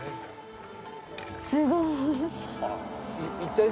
すごい。